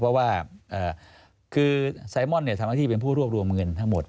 เพราะว่าคือไซมอนทำหน้าที่เป็นผู้รวบรวมเงินทั้งหมด